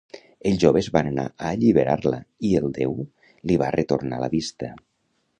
Els joves van anar a alliberar-la i el déu li va retornar la vista.